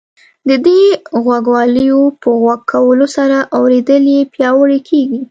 د دې غوږوالیو په غوږ کولو سره اورېدل یې پیاوړي کیږي.